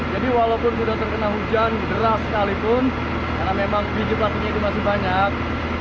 jadi walaupun sudah terkena hujan deras sekalipun karena memang bijih plastiknya itu masih banyak